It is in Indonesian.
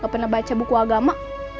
gak pernah baca buku agama